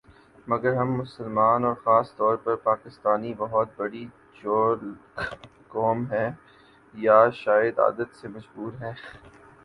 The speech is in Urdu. مگر ہم مسلمان اور خاص طور پر پاکستانی بہت بڑی چول قوم ہیں ، یا شاید عادت سے مجبور ہیں